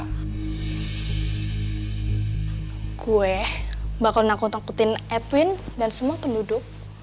gue bakal nangkut nangkutin edwin dan semua penduduk